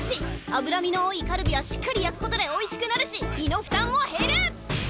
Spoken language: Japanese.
脂身の多いカルビはしっかり焼くことでおいしくなるし胃の負担も減る！